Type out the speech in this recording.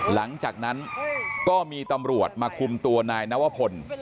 หลังจากนั้นก็มีตำรวจมาคุมตัวนายนวพล